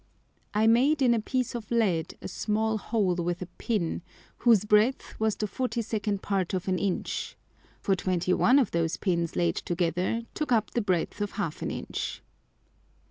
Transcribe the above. I made in a piece of Lead a small Hole with a Pin, whose breadth was the 42d part of an Inch. For 21 of those Pins laid together took up the breadth of half an Inch.